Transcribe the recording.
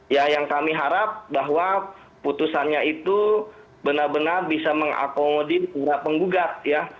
ya yang kami harap bahwa putusannya itu benar benar bisa mengakomodir para penggugat ya